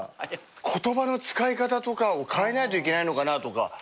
言葉の使い方とかを変えないといけないのかなとか。